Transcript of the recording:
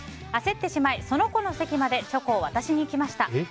焦ってしまい、その子の席までチョコを渡しに行きました。